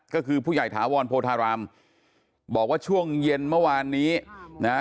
ก็คือผู้ใหญ่ถาวรโพธารามบอกว่าช่วงเย็นเมื่อวานนี้นะฮะ